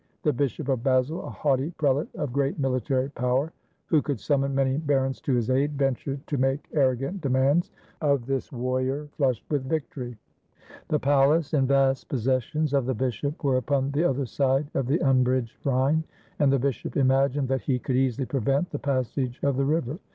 The Bishop of Basle, a haughty prelate of great military power, who could summon many barons to his aid, ventured to make arrogant demands of this warrior flushed with victory. The palace and vast pos sessions of the bishop were upon the other side of the un bridged Rhine, and the bishop imagined that he could easily prevent the passage of the river.